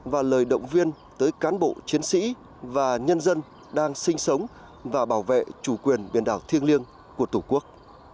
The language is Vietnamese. và lời động viên tới cán bộ chiến sĩ và nhân dân đang sinh sống và bảo vệ chủ quyền biển đảo thiêng liêng của tổ quốc